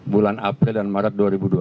bulan april dan maret dua ribu dua puluh